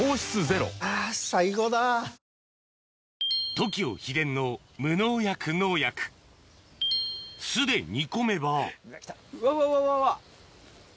ＴＯＫＩＯ秘伝の無農薬農薬酢で煮込めばうわわわわわ。